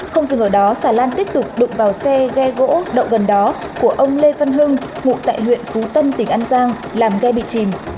không dừng ở đó xà lan tiếp tục đụng vào xe ghe gỗ đậu gần đó của ông lê văn hưng ngụ tại huyện phú tân tỉnh an giang làm ghe bị chìm